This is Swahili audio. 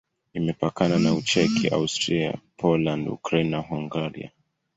Imepakana na Ucheki, Austria, Poland, Ukraine na Hungaria.